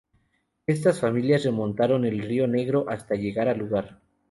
Estas familias remontaron el río Negro hasta llegar al lugar.